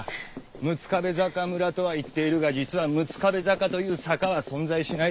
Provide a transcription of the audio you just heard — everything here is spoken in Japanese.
「六壁坂村」とは言っているが実は「六壁坂」という「坂」は存在しない。